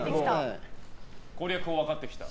攻略法が分かってきた？